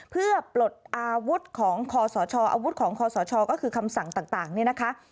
เพื่อปลดอาวุธของคอสชอาวุธของคอสชก็คือคำสั่งต่างเนี่ยนะคะ